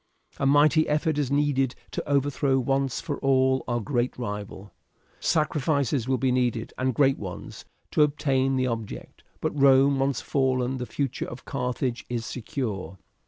A mighty effort is needed to overthrow once for all our great rival. "Sacrifices will be needed, and great ones, to obtain the object, but Rome once fallen the future of Carthage is secure.